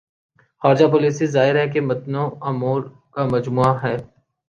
خارجہ پالیسی ظاہر ہے کہ متنوع امور کا مجموعہ ہے۔